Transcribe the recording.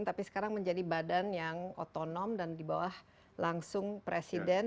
tapi sekarang menjadi badan yang otonom dan di bawah langsung presiden